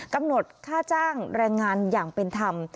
กำหนดค่าจ้างแรงงานอย่างเป็นธรรม